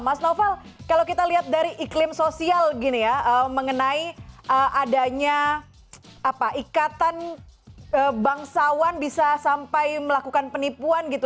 mas noval kalau kita lihat dari iklim sosial gini ya mengenai adanya ikatan bangsawan bisa sampai melakukan penipuan gitu